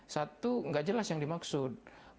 satu nggak jelas yang dimaksud